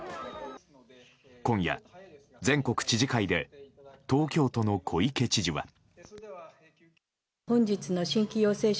今夜、全国知事会で東京都の小池知事は。